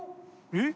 えっ？